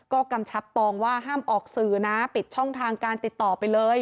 ก็กำชับตองว่าห้ามออกสื่อนะปิดช่องทางการติดต่อไปเลย